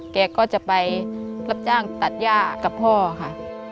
แกก็จะไปรับจ้างตัดย่ากับพ่อค่ะ